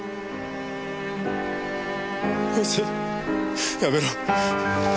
よせやめろ。